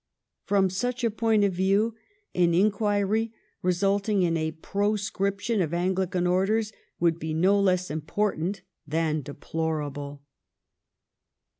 From such a point of view an inquiry, resulting in a proscription of Anglican orders, would be no less important than deplorable."